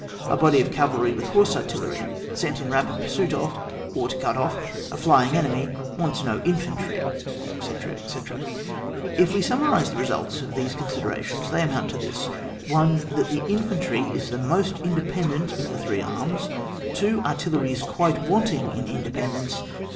A body of cavalry with horse artillery, sent in rapid pursuit of, or to cut ofi^ a flying enemy wants no infantry, etc., etc. If we summarise the results of these considerations they amount to this. 1. That infantry is the most independ< ent of the three arms. 2. Artillery is quite wanting in inde pendence.